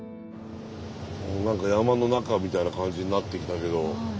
何か山の中みたいな感じになってきたけど。